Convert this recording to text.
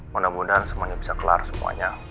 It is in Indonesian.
mudah mudahan semuanya bisa kelar semuanya